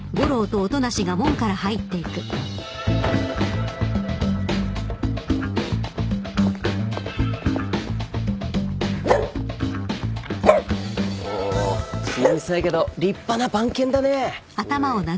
小さいけど立派な番犬だね。